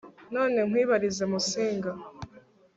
none nkwibarize musinga